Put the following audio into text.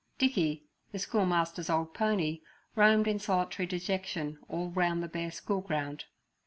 Dickey, the schoolmaster's old pony, roamed in solitary dejection all round the bare school ground.